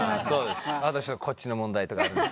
あとこっちの問題とかあるんで。